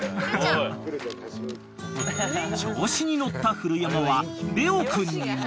［調子に乗った古山はレオ君にも］